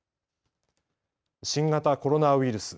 新型コロナウイルス。